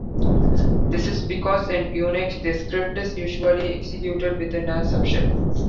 This is because in Unix, the script is usually executed within a subshell.